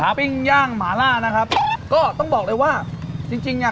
ปิ้งย่างหมาล่านะครับก็ต้องบอกเลยว่าจริงจริงเนี้ย